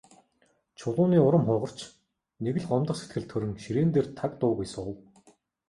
Чулууны урам хугарч, нэг л гомдох сэтгэл төрөн ширээн дээрээ таг дуугүй суув.